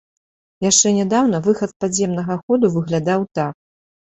Яшчэ нядаўна выхад з падземнага ходу выглядаў так.